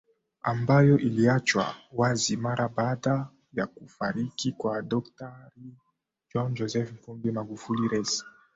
ambayo iliachwa wazi mara baada ya kufariki kwa daktari John Joseph Pombe Magufuli Rais